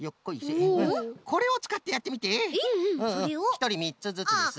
ひとりみっつずつです。